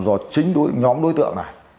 do chính nhóm đối tượng này